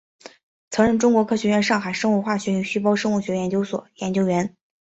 曾任中国科学院上海生物化学与细胞生物学研究所研究员。